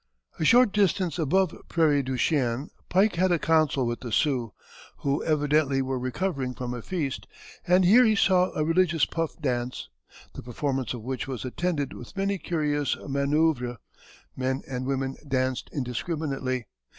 A short distance above Prairie du Chien, Pike had a council with the Sioux, who evidently were recovering from a feast, and here he saw a religious puff dance, "the performance of which was attended with many curious manoeuvres. Men and women danced indiscriminately.